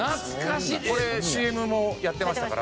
これＣＭもやってましたから。